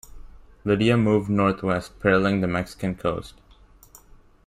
Lidia moved northwest, paralleling the Mexican coast.